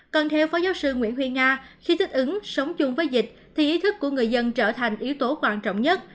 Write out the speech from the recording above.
còn theo phó giáo sư nguyễn huy nga khi thích ứng sống chung với dịch thì ý thức của người dân trở thành yếu tố quan trọng nhất